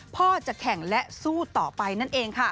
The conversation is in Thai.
พ่อจะแข่งและสู้ต่อไปนั่นเองค่ะ